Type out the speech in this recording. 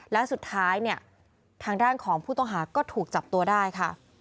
และสุดท้ายเนี่ยทางด้านของผู้ต้องหาก็ถูกจับตัวได้ค่ะ